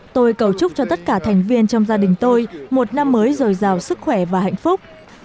tôi cầu chúc cho tất cả thành viên trong gia đình tôi một năm mới dồi dào sức khỏe và hạnh phúc